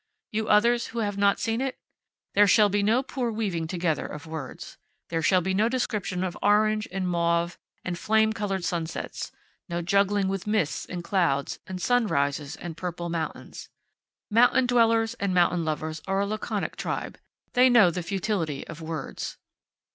You others who have not seen it? There shall be no poor weaving together of words. There shall be no description of orange and mauve and flame colored sunsets, no juggling with mists and clouds, and sunrises and purple mountains. Mountain dwellers and mountain lovers are a laconic tribe. They know the futility of words.